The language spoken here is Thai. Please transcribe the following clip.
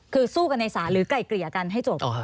คือสู้กันในศาลหรือไก่เกลี่ยกันให้จบ